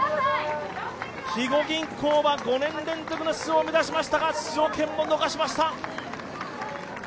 肥後銀行は５年連続の出場を目指していましたが出場権を逃しました。